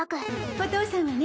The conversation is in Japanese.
お父さんはね